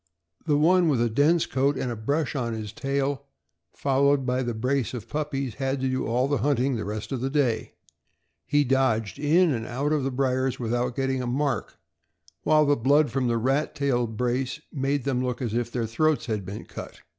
The one with a dense coat and a brush on his tail, followed by the brace of puppies, had to do all our hunting the rest of the day. He dodged in and out of the briers without getting a mark, while the blood from the rat tailed brace made them look as if their throats had been cut.